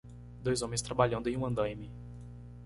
Dois homens trabalhando em um andaime.